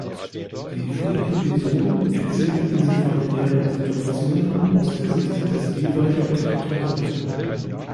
Die vier Episoden erzählen diese familiären Situationen aus der Sicht des jeweilig betroffenen.